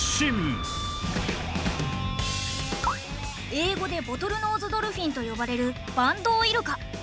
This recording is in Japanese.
英語でボトルノーズドルフィンと呼ばれるバンドウイルカ。